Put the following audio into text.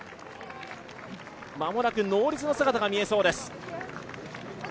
間もなくノーリツの姿が見えそうです。